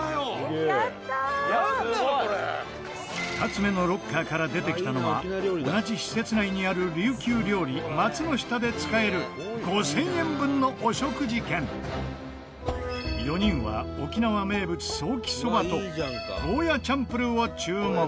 ２つ目のロッカーから出てきたのは同じ施設内にある琉球料理松ノ下で使える５０００円分のお食事券４人は沖縄名物ソーキそばとゴーヤチャンプルを注文